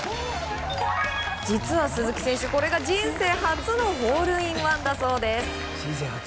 実は鈴木選手、これが人生初のホールインワンだそうです。